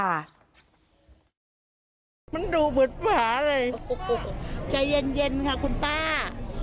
มันดูบุตรภาคุณป้าใจเย็นค่ะคุณป้า